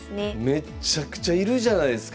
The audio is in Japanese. めっちゃくちゃいるじゃないですか！